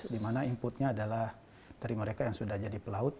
dimana inputnya adalah dari mereka yang sudah jadi pelaut